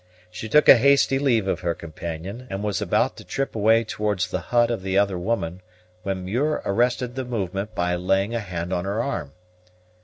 She took a hasty leave of her companion, and was about to trip away towards the hilt of the other woman, when Muir arrested the movement by laying a hand on her arm.